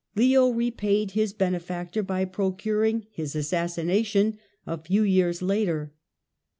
Leo repaid his benefactor by procuring his assassination a few years later.